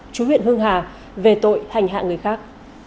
chú huyện hưng hà về tội hành hạ người khác